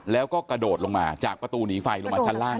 แล้วก็กระโดดลงมาจากประตูหนีไฟลงมาชั้นล่าง